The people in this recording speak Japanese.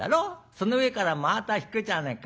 その上から真綿敷くじゃねえか。